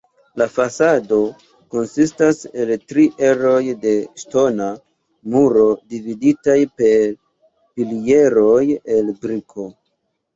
La fasado konsistas el tri eroj de ŝtona muro dividitaj per pilieroj el briko.